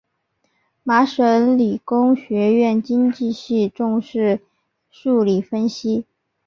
麻省理工学院经济系重视数理分析。